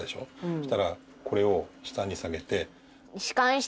そしたらこれを下に下げて。